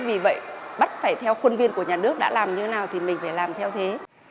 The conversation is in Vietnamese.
vì vậy bắt phải theo khuôn viên của nhà nước đã làm như thế nào thì mình phải làm theo thế